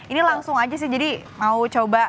ini langsung aja sih jadi mau coba